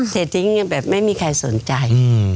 เททิ้งแบบไม่มีใครสนใจ